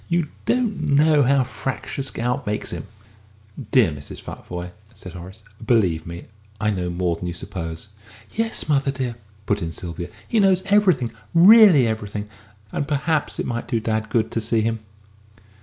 You don't know how fractious gout makes him!" "Dear Mrs. Futvoye," said Horace, "believe me, I know more than you suppose." "Yes, mother, dear," put in Sylvia, "he knows everything really everything. And perhaps it might do dad good to see him."